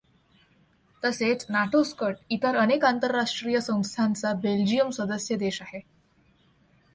तसेच नाटोसकट इतर अनेक आंतरराष्ट्रीय संस्थांचा बेल्जियम सदस्य देश आहे.